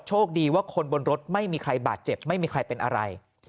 โชคดีว่าคนบนรถไม่มีใครบาดเจ็บไม่มีใครเป็นอะไร